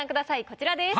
こちらです。